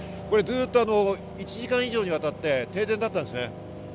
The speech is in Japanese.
これ、ずっと１時間以上にわたって停電だったんですね。